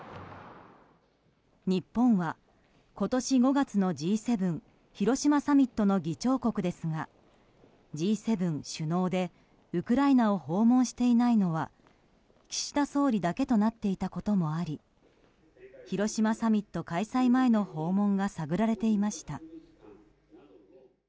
日本は今年５月のＧ７広島サミットの議長国ですがＧ７首脳でウクライナを訪問していないのは岸田総理だけとなっていたこともあり広島サミット開催前の訪問が探られていました。